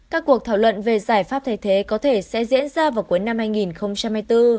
các cuộc thảo luận về giải pháp thay thế có thể sẽ diễn ra vào cuối năm hai nghìn hai mươi bốn